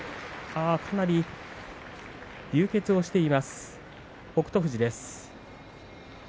かなり流血している北勝富士です。